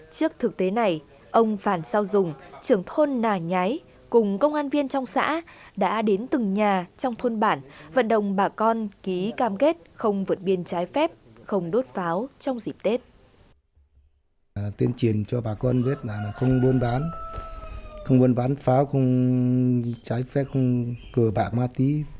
trước thực tế này ông phản sao dùng trưởng thôn nà nhái cùng công an viên trong xã đã đến từng nhà trong thôn bản vận động bà con ký cam kết không vượt biên trái phép không đốt pháo trong dịp tết